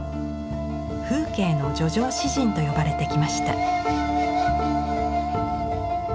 「風景の叙情詩人」と呼ばれてきました。